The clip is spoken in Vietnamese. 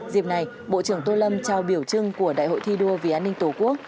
dịp này bộ trưởng tô lâm trao biểu trưng của đại hội thi đua vì an ninh tổ quốc